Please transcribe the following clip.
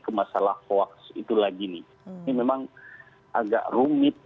ke masalah hoax itu lagi nih ini memang agak rumit